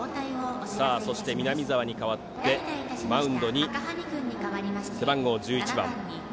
そして、南澤に代わってマウンドに背番号１１番